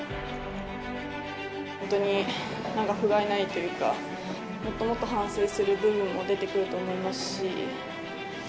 本当に、なんかふがいないというか、もっともっと反省する部分も出てくると思いますし。